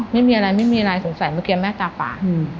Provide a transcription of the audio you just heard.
ไม่มีอะไรไม่มีอะไรสงสัยเมื่อกี้แม่ตาปาก